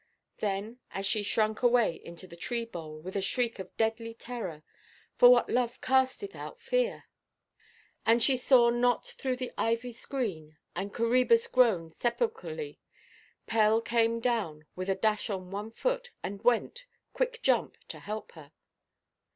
Then as she shrunk away into the tree–bole, with a shriek of deadly terror—for what love casteth out fear?—and she saw not through the ivy–screen, and Coræbus groaned sepulchrally, Pell came down with a dash on one foot, and went, quick jump, to help her.